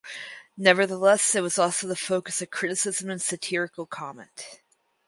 Nevertheless it was also the focus of criticism and satirical comment.